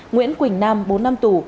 nguyễn quỳnh nam bốn năm tù